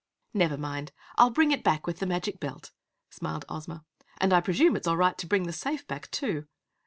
"Never mind! I'll bring it back with the magic belt," smiled Ozma, "and I presume it's all right to bring the safe back, too?"